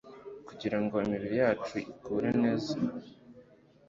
kugira ngo imibiri yacu ikure neza